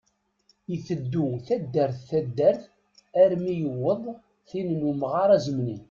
Iteddu taddart taddart armi yewweḍ tin n umɣar azemni.